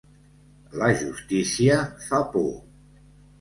La justícia fa por.